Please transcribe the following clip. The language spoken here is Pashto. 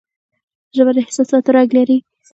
ژبه د احساساتو رنگ لري